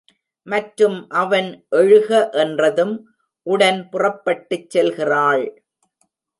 மற்றும் அவன் எழுக என்றதும் உடன் புறப்பட்டுச் செல்கிறாள்.